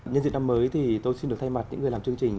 nhân dịp năm mới thì tôi xin được thay mặt những người làm chương trình